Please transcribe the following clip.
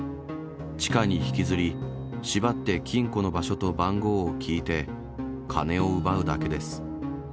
地下に引きずり、しばって金庫の場所と番号を聞いて、金を奪うだけです。